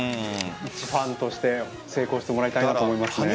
ファンとして成功してもらいたいと思います。